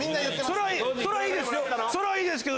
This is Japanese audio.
それはいいですよ。